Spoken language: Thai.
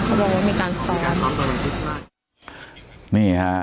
เขาบอกว่ามีการซ้อม